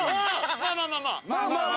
まあまあまあまあ！